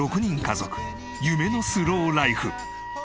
夢のスローライフ。